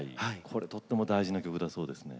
これとっても大事な曲だそうですね。